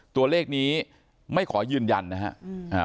ตัวเลขนี้ไม่ขอยืนยันนะครับ